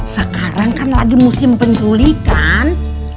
sekarang kan lagi musim penculikan